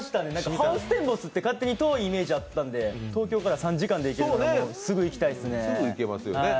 ハウステンボスって勝手に遠いイメージあったんで、東京で３時間で行けるなんて、すぐ行きたいですね。